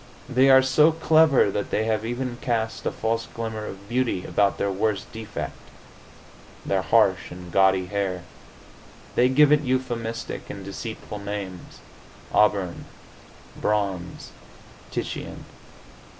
They are so clever that they have even cast a false glamour of beauty about their worst defect their harsh and gaudy hair. They give it euphemistic and deceitful names auburn, bronze, Titian.